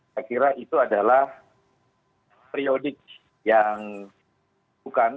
saya kira itu adalah periodik yang bukan